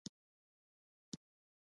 خلک او شرکتونه مالیه ورکوي.